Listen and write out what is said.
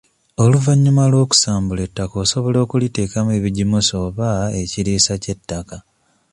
Oluvannyuma lw'okusambula ettaka osobola okuliteekamu ebigimusa oba ekiriisa ky'ettaka.